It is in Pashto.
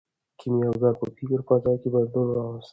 کیمیاګر په فکري فضا کې بدلون راوست.